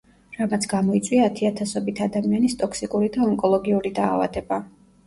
რამაც გამოიწვია ათიათასობით ადამიანის ტოქსიკური და ონკოლოგიური დაავადება.